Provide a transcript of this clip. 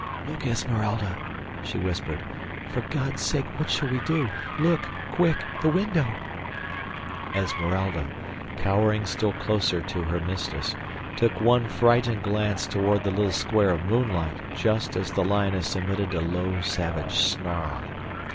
"Look, Esmeralda!" she whispered. "For God's sake, what shall we do? Look! Quick! The window!" Esmeralda, cowering still closer to her mistress, took one frightened glance toward the little square of moonlight, just as the lioness emitted a low, savage snarl.